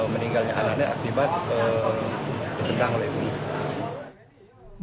meninggalnya anaknya akibat kejendang lebihan